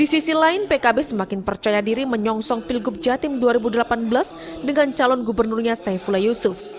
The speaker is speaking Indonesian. di sisi lain pkb semakin percaya diri menyongsong pilgub jatim dua ribu delapan belas dengan calon gubernurnya saifullah yusuf